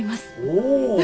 お！